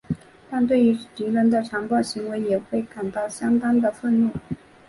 但对于敌人的残暴行为也会感到相当愤怒。